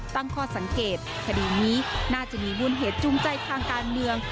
ตั้งข้อสังเกตคดีนี้น่าจะมีมูลเหตุจูงใจทางการเมือง